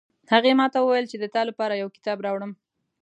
هغې ماته وویل چې د تا د پاره یو کتاب راوړم